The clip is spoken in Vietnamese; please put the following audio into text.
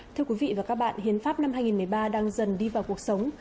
thưa quý vị và các bạn hiến pháp năm hai nghìn một mươi ba đang dần đi vào cuộc sống